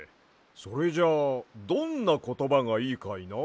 それじゃあどんなことばがいいかいな？